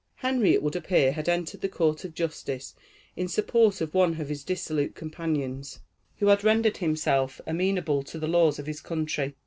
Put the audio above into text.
Henry, it would appear, had entered the Court of Justice in support of one of his dissolute companions, who had rendered himself amenable to the laws of his country.